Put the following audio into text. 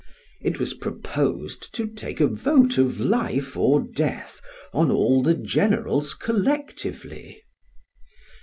It was proposed to take a vote of life or death on all the generals collectively.